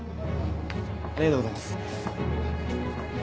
ありがとうございます。